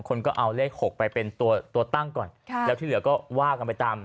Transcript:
คนก็เอาเลข๖ไปเป็นตัวตัวตั้งก่อนแล้วที่เหลือก็ว่ากันไปตาม